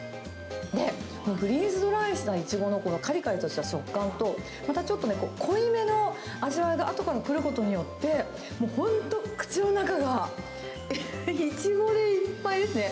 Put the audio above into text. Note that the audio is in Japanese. で、フリーズドライしたイチゴのこのかりかりとした食感と、またちょっとね、濃い目の味わいがあとから来ることによって、もう本当、口の中がイチゴでいっぱいですね。